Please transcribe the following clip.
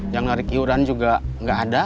yang lari kiuran juga gak ada